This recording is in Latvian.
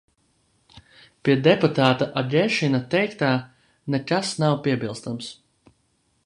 Pie deputāta Agešina teiktā nekas nav piebilstams.